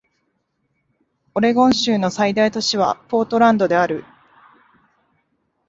オレゴン州の最大都市はポートランドである